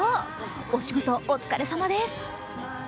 お仕事、お疲れさまです。